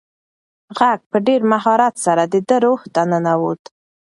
غږ په ډېر مهارت سره د ده روح ته ننووت.